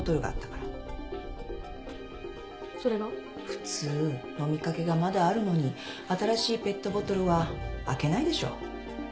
普通飲みかけがまだあるのに新しいペットボトルは開けないでしょ。